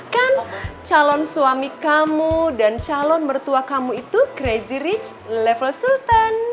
kan calon suami kamu dan calon mertua kamu itu crazy rich level sultan